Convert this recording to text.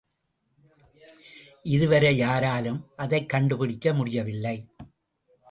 இதுவரை யாராலும் அதைக் கண்டுபிடிக்க முடியவில்லை.